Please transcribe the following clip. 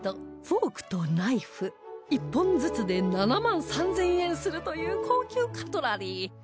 フォークとナイフ１本ずつで７万３０００円するという高級カトラリー